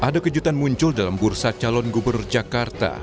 ada kejutan muncul dalam bursa calon gubernur jakarta